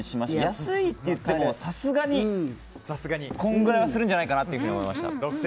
安いっていってもさすがにこのくらいはするんじゃないかなと思いました。